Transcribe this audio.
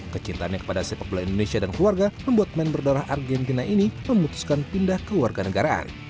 kecintanya kepada sepepuluh indonesia dan keluarga membuat men berdarah argentina ini memutuskan pindah ke warga negaraan